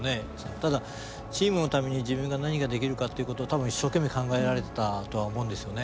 ただチームのために自分が何ができるかっていうことを多分一生懸命考えられてたとは思うんですよね。